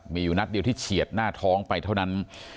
มีอยู่นัดเดียวที่เฉียดหน้าท้องไปเท่านั้น